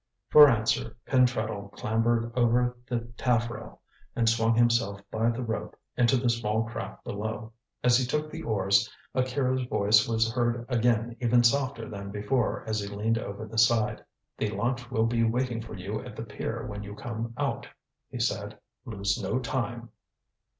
For answer Pentreddle clambered over the taffrail and swung himself by the rope into the small craft below. As he took the oars, Akira's voice was heard again even softer than before as he leaned over the side. "The launch will be waiting for you at the pier when you come out," he said. "Lose no time."